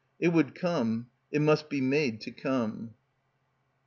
It would come. It must be made to come.